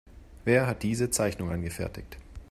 Wer hat diese Zeichnung angefertigt?